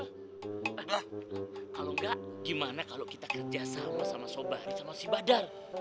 lah kalo ngga gimana kalo kita kerja sama sama sobari sama si badar